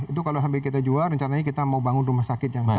itu kalau sampai kita jual rencananya kita mau bangun rumah sakit yang